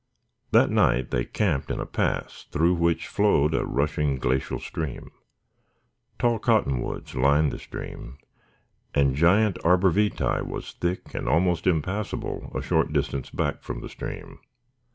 That night they camped in a pass through which flowed a rushing glacial stream. Tall cottonwoods lined the stream and giant arborvitæ was thick and almost impassable a short distance back from the stream.